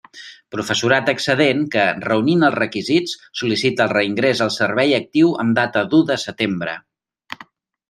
Professorat excedent que, reunint els requisits, sol·licita el reingrés al servei actiu amb data d'u de setembre.